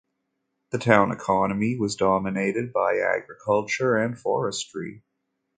The town economy was dominated by agriculture and forestry.